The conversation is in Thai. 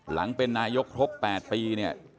หลังเป็นนายกครบ๘ปีเนี่ย